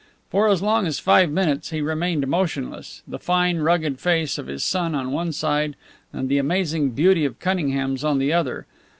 For as long as five minutes he remained motionless, the fine, rugged face of his son on one side and the amazing beauty of Cunningham's on the other.